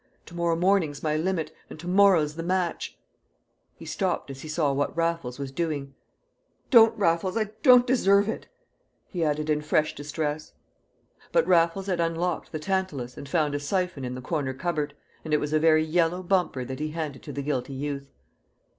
Tomorrow morning's my limit, and to morrow's the match." He stopped as he saw what Raffles was doing. "Don't, Raffles, I don't deserve it!" he added in fresh distress. But Raffles had unlocked the tantalus and found a syphon in the corner cupboard, and it was a very yellow bumper that he handed to the guilty youth.